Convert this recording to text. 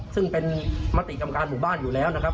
ซึ่งเป็นมติกรรมการหมู่บ้านอยู่แล้วนะครับ